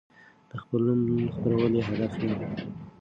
د خپل نوم خپرول يې هدف نه و.